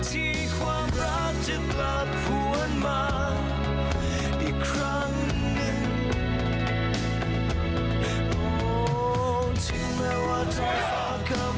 ทุกวันปกป้านะครับชิคกี้พาย